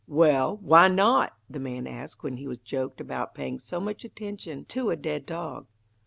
"Well, why not?" the man asked when he was joked about paying so much attention to a dead dog.